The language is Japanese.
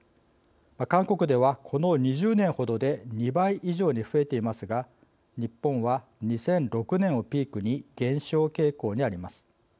韓国ではこの２０年程で２倍以上に増えていますが日本は２００６年をピークに減少傾向にあります。